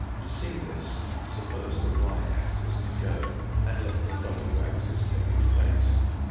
To see this suppose the y axis to go, and let the w axis take its place.